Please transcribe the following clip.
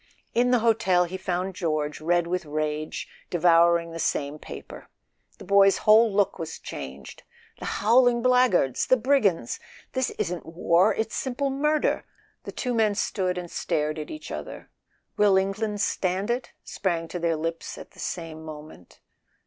.. In the hotel he found George, red with rage, devour¬ ing the same paper: the boy's whole look was changed. "The howling blackguards! The brigands ! This isn't war—it's simple murder!" The two men stood and stared at each other. "Will England stand it?" sprang to their lips at the same moment.